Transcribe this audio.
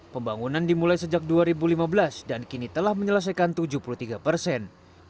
pembangunan dimulai sejak dua ribu lima belas dan kini telah menyelesaikan tujuh puluh tiga persen